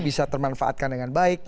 bisa bermanfaatkan dengan baik